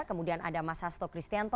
kemudian ada mas hasto kristianto